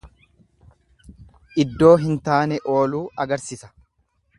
Iddoo hin taane ooluu agarsisa.